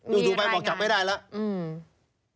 ดูไปบอกจับไม่ได้แล้ว